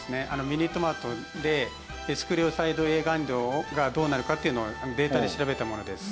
ミニトマトでエスクレオサイドＡ含有量がどうなるかっていうのをデータで調べたものです。